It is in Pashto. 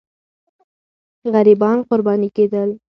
غریبان قرباني کېدل.